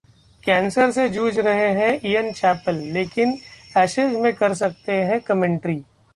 cancer से जूझ रहे हैं इयान चैपल, लेकिन एशेज में कर सकते हैं कमेंट्री